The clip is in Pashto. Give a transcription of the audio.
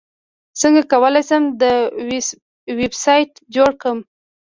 څنګه کولی شم یو ویبسایټ جوړ کړم